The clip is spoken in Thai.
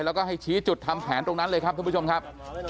แล้วก็ให้ชี้จุดทำแผนตรงนั้นเลยครับทุกผู้ชมครับ